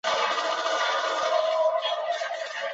伊顿是著名的公学伊顿公学的所在地。